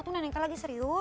tuh neneng kak lagi serius